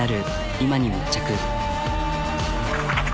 今に密着。